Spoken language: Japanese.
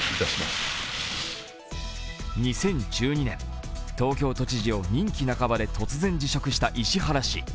２０１２年、東京都知事を任期半ばで突然辞職した石原氏。